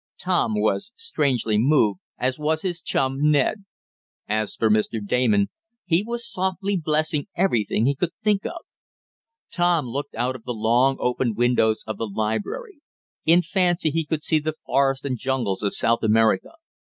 Tom was strangely moved, as was his chum Ned. As for Mr. Damon, he was softly blessing every thing he could think of. Tom looked out of the long, opened windows of the library. In fancy he could see the forest and jungles of South America.